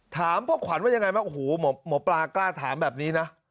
ถามพ่อขวัญว่ายังไงไหมโอ้โหหมอปลากล้าถามแบบนี้นะ